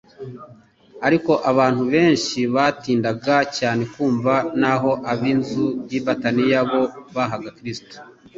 Ariko abantu benshi batindaga cyane kumva naho ab'inzu y'i Betaniya bo bahaga Kristo